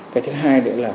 cái thứ hai nữa là